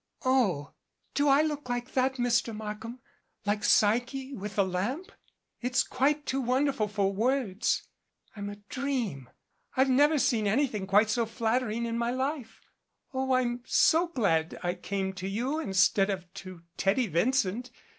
"Oh, do I look like that, Mr. Markham, like Psyche with the lamp? It's quite too wonderful for words. I'm a dream. I've never seen anything quite so flattering in my life. Oh, I'm so glad I came to you instead of to Teddy Vincent.